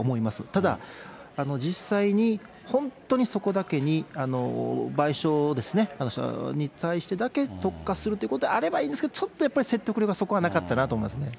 ただ、実際に本当にそこだけに賠償に対してだけ特化するということであればいいんですけど、ちょっとそこは、説得力がそこはなかったなと思いますね。